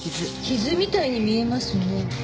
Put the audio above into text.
傷みたいに見えますね。